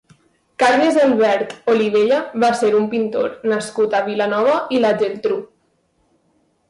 Carles Albet Olivella va ser un pintor nascut a Vilanova i la Geltrú.